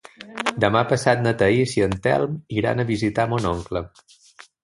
Demà passat na Thaís i en Telm iran a visitar mon oncle.